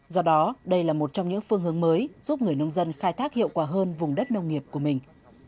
do đó đây là một trong những phương hướng mới giúp người nông dân khai thác hiệu quả hơn vùng đất nông nghiệp của mình